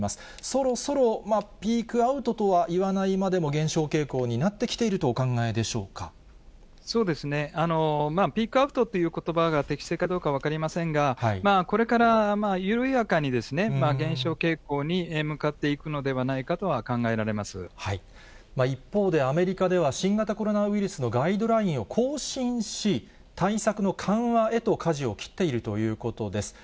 そろそろピークアウトとはいわないまでも、減少傾向になってきてそうですね、ピークアウトということばが適正かどうか分かりませんが、これから緩やかに減少傾向に向かっていくのではないかとは考えら一方で、アメリカでは新型コロナウイルスのガイドラインを更新し、対策の緩和へとかじを切っているということです。